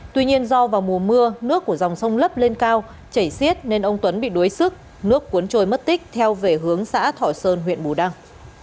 tuy nhiên do vào mùa mưa nước của dòng sông lấp lên cao chảy xiết nên ông tuấn bị đuối sức nước cuốn trôi mất tích theo về hướng xã thọ sơn huyện bù đăng